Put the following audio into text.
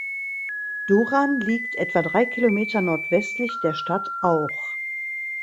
Duran liegt etwa drei Kilometer nordwestlich der Stadt Auch.